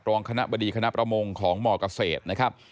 รองคณะบดีคณะประมงของมเกษตรนะครับ